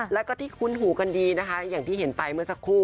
แล้วก็ที่คุ้นหูกันดีนะคะอย่างที่เห็นไปเมื่อสักครู่